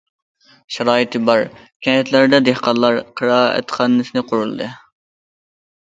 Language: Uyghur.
شارائىتى بار كەنتلەردە دېھقانلار قىرائەتخانىسى قۇرۇلدى.